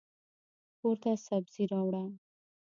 کورته سبزي راوړه.